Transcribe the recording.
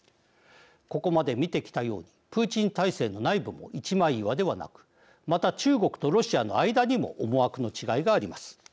ここまで見てきたようにプーチン体制の内部も一枚岩ではなくまた、中国とロシアの間にも思惑の違いがあります。